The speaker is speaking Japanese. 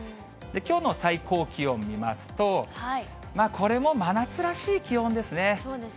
きょうの最高気温見ますと、これも真夏らしい気温ですね。